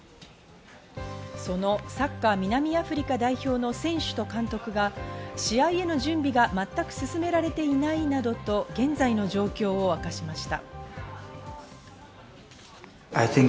そのサッカー南アフリカ代表の選手と監督が、試合への準備が全く進められていないなどと現在の状況を明かしました。